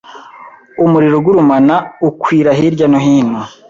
umuriro ugurumana ukwira hirya no hino